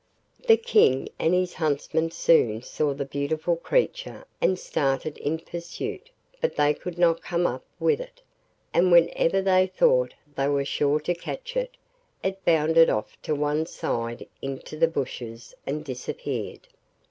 The King and his huntsmen soon saw the beautiful creature and started in pursuit, but they could not come up with it, and whenever they thought they were sure to catch it, it bounded off to one side into the bushes and disappeared.